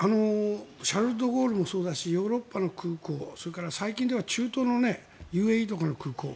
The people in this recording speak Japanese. シャルル・ドゴールもそうだしヨーロッパの空港それから最近では中東の、ＵＡＥとかの空港。